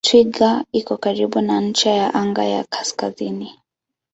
Twiga iko karibu na ncha ya anga ya kaskazini.